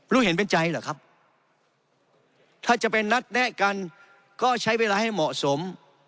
รู้เห็นเป็นใจเหรอครับถ้าจะเป็นนัดแนะกันก็ใช้เวลาให้เหมาะสม